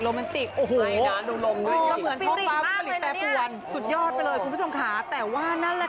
โอ้โหแล้วเหมือนท่อฟ้าผู้ผลิตแปรปวนสุดยอดไปเลยคุณผู้ชมค่ะแต่ว่านั่นแหละค่ะ